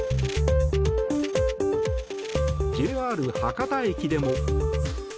ＪＲ博多駅でも。